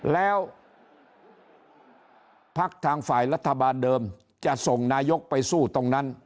แล้วพักทางฝ่ายรัฐบาลเดิมจะส่งนายกไปสู้ตรงนั้น